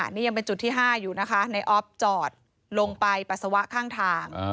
นี่ยังเป็นจุดที่๕อยู่นะคะในออฟจอดลงไปปัสสาวะข้างทาง